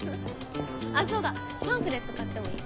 あっそうだパンフレット買ってもいい？